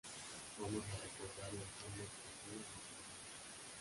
Vamos a recordar en forma especial a la Sra.